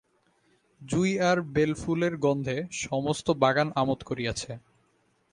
জুঁই আর বেল ফুলের গন্ধে সমস্ত বাগান আমোদ করিয়াছে।